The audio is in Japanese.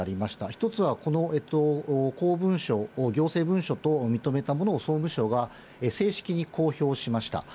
１つは、この公文書を行政文書と認めたものを総務省が正式に公表しました。